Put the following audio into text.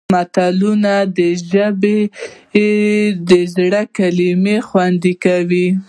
متلونه د ژبې زړې کلمې خوندي کوي